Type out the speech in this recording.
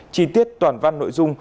chí tiết toàn văn nội dung